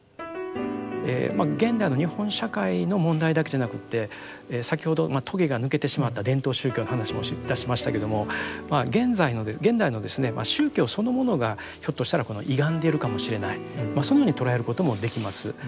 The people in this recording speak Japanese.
現代の日本社会の問題だけじゃなくって先ほど棘が抜けてしまった伝統宗教の話もいたしましたけども現代の宗教そのものがひょっとしたら歪んでいるかもしれないそのように捉えることもできます。